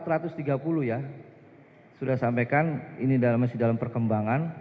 yang menurut saya sudah sampaikan ini masih dalam perkembangan